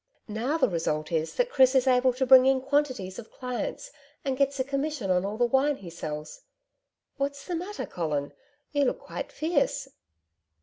Now the result is that Chris is able to bring in quantities of clients and gets a commission on all the wine he sells.... What's the matter, Colin? You look quite fierce.'